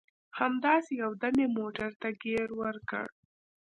همداسې یو دم یې موټر ته ګیر ورکړ.